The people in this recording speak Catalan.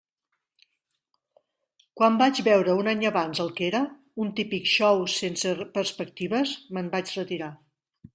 Quan vaig veure un any abans el que era, un típic xou sense perspectives, me'n vaig retirar.